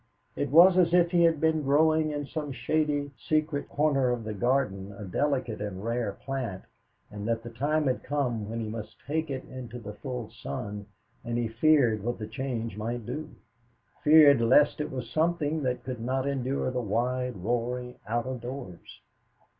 It was as if he had been growing in some shady, secret corner of his garden a delicate and rare plant, and that the time had come when he must take it into the full sun, and he feared what the change might do feared lest it was something that could not endure the wide, roaring out of doors.